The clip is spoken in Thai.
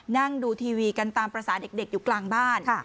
นั่งดูทีวีกันตามภาษาเด็กอยู่กลางบ้าน